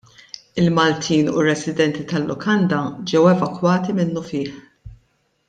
Il-Maltin u r-residenti tal-lukanda ġew evakwati minnufih.